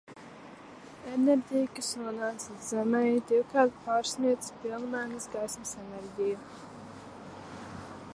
Enerģija, kas nonāca līdz Zemei, divkārt pārsniedza pilnmēness gaismas enerģiju.